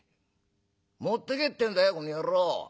持ってけってんだよこの野郎。